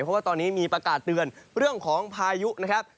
เพราะว่าตอนนี้มีประกาศเตือนเรื่องของพายุนะครับ